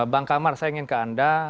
bang kamar saya ingin ke anda